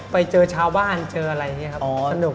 ไปเจอชาวบ้านเจออะไรนี่ครับสนุก